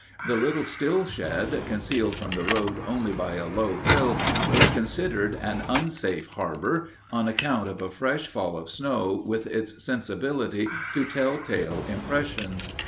The little still shed, concealed from the road only by a low hill, was considered an unsafe harbor, on account of a fresh fall of snow with its sensibility to tell tale impressions.